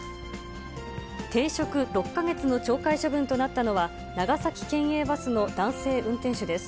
停職６か月の懲戒処分となったのは、長崎県営バスの男性運転手です。